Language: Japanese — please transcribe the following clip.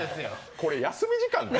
これ、休み時間？